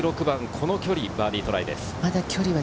この距離のバーディートライです。